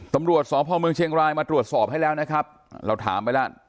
ตำรวจสพเมืองเชียงรายมาตรวจสอบให้แล้วนะครับเราถามไปแล้ว